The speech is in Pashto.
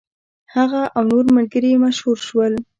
هغه او نور ملګري یې مشهور شول.